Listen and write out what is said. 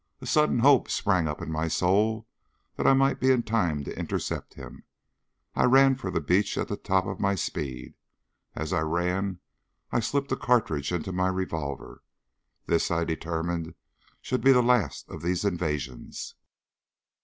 A sudden hope sprang up in my soul that I might be in time to intercept him. I ran for the beach at the top of my speed. As I ran I slipped a cartridge into my revolver. This I determined should be the last of these invasions.